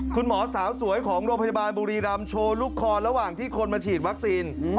คุณหมอสาวสวยของโรงพยาบาลบุรีรำโชว์ลูกคอระหว่างที่คนมาฉีดวัคซีน